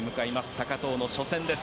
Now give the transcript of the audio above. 高藤の初戦です。